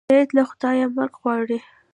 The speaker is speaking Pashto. سید له خدایه مرګ غواړي.